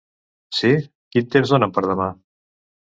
Si, quin temps donen per demà?